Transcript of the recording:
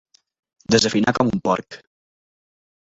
Desafinar com un porc.